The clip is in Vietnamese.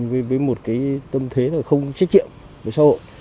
với một cái tâm thế không trách triệu với xã hội